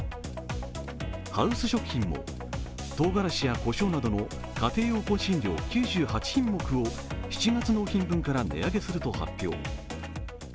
ハウス食品もとうがらしやこしょうなどの家庭用香辛料、９８品目を７月納品分から値上げすると発表。